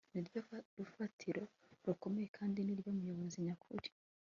ni ryo rufatiro rukomeye kandi ni ryo muyobozi nyakuri